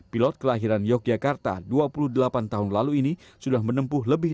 pilot kelahiran yogyakarta dua puluh delapan tahun lalu ini sudah menempuh lebih